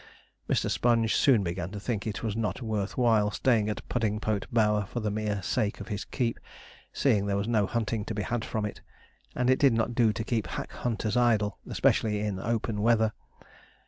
Mr. Sponge soon began to think it was not worth while staying at Puddingpote Bower for the mere sake of his keep, seeing there was no hunting to be had from it, and it did not do to keep hack hunters idle, especially in open weather.